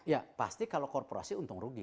ya pasti kalau korporasi untung rugi